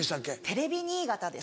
テレビ新潟です。